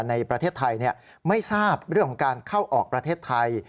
ในประเทศไทยไม่ทราบเรื่องของการเข้าออกประเทศไทย